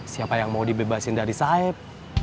siapa yang mau dibebasin dari saib